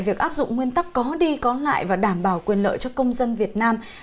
việc áp dụng nguyên tắc có đi có lại và đảm bảo quyền lợi cho công dân việt nam